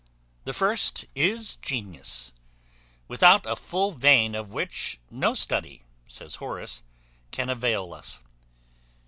The first is, genius, without a full vein of which no study, says Horace, can avail us.